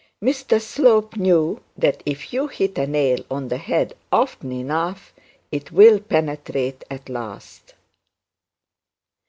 Mr Slope knew that if you hit a nail on the head often enough, it will penetrate at last.